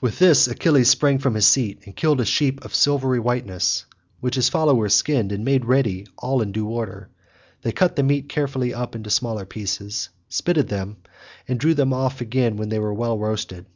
With this Achilles sprang from his seat and killed a sheep of silvery whiteness, which his followers skinned and made ready all in due order. They cut the meat carefully up into smaller pieces, spitted them, and drew them off again when they were well roasted.